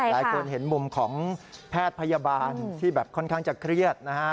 หลายคนเห็นมุมของแพทย์พยาบาลที่แบบค่อนข้างจะเครียดนะฮะ